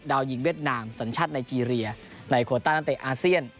หญิงเวียดนามสัญชาติไนเจรียในโคต้านักเตะอาเซียน